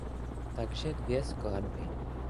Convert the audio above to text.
Takže dvě skladby.